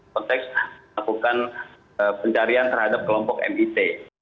konteks melakukan pencarian terhadap kelompok mit